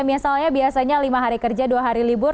misalnya biasanya lima hari kerja dua hari libur